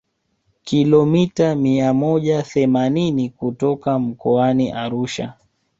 kilomita mia moja themanini kutoka mkoani Arusha